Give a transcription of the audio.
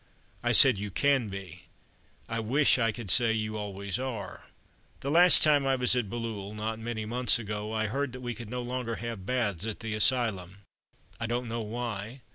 I said you can be; I wish I could say you always are. The last time I was at Bailleul, not many months ago, I heard that we could no longer have baths at the asylum; I don't know why.